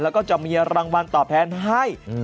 แล้วก็จะมีรางวัลตอบแทนให้